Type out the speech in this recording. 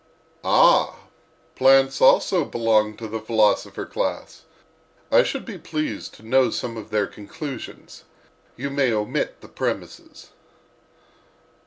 "Ah, plants also belong to the philosopher class! I should be pleased to know some of their conclusions; you may omit the premises."